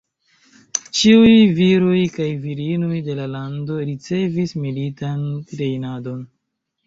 Ĉiuj viroj kaj virinoj de la lando ricevis militan trejnadon.